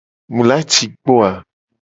Mu la ci kpo o a?